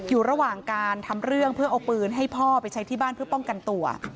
อยู่ระหว่างการทำเรื่องเพื่อเอาปืนให้พ่อไปใช้ที่บ้านเพื่อป้องกันตัว